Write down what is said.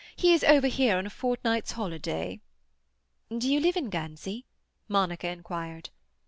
He is over here on a fortnight's holiday." "Do you live in Guernsey?" Monica inquired.